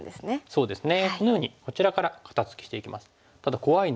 そうですね。